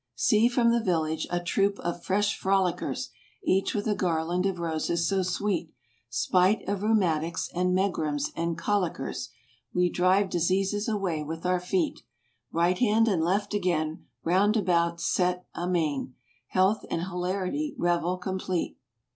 See from the village, a troop of fresh frolickers, Each with a garland of roses so sweet: Spite of rheumaticks, and megrims, and cholickers, We drive diseases away with our feet. Right hand and left again, Round about, set amain 5 Health and hilarity revel complete.